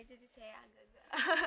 jadi saya agak agak